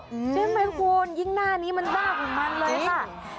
ใช่ไหมคุณยิ่งหน้านี้มันบ้าของมันเลยค่ะ